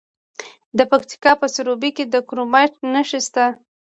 د پکتیکا په سروبي کې د کرومایټ نښې شته.